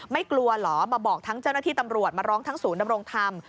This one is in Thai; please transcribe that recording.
ไม่กลัวเหรอมาบอกทั้งเจ้าหน้าที่ตำรวจมาร้องทั้งศูนย์ดำรงธรรม